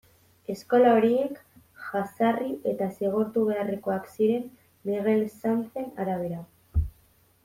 Eskola horiek jazarri eta zigortu beharrekoak ziren Miguel Sanzen arabera.